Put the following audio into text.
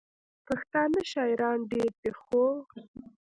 پښتانه شاعران ډېر دي، خو: